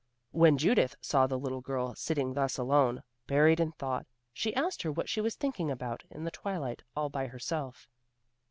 When Judith saw the girl sitting thus alone, buried in thought, she asked her what she was thinking about in the twilight all by herself.